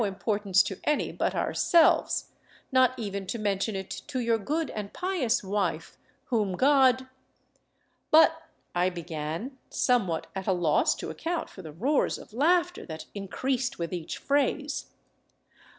importance to any but ourselves, not even to mention it to your good and pious wife, whom God ..."" But —" I began, somewhat at a loss to account for the roars of laughter that increased with each phrase.